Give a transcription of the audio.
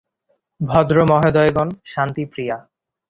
ভদ্র মহোদয়গন, শান্তি প্রিয়া।